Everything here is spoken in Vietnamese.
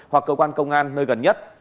hoặc cơ quan công an nơi gần nhất